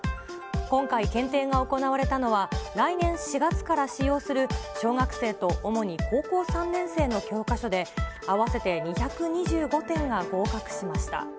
今回、検定が行われたのは、来年４月から使用する小学生と、主に高校３年生の教科書で、合わせて２２５点が合格しました。